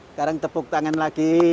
sekarang tepuk tangan lagi